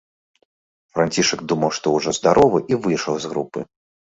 Францішак думаў, што ўжо здаровы, і выйшаў з групы.